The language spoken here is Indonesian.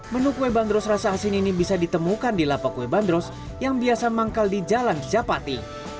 menu kue bandros rasa asin ini bisa ditemukan di lapak kue bandros yang biasa manggal di jalan japati